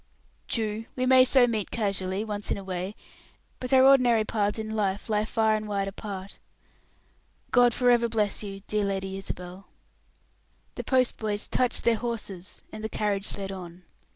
"True; we may so meet casually once in a way; but our ordinary paths in life lie far and wide apart. God forever bless you, dear Lady Isabel!" The postboys touched their horses, and the carriage sped on.